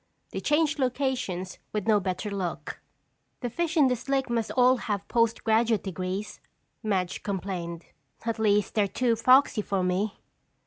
They changed locations with no better luck. "The fish in this lake must all have post graduate degrees," Madge complained. "At least, they're too foxy for me."